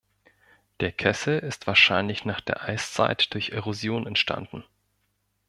Der Kessel ist wahrscheinlich nach der Eiszeit durch Erosion entstanden.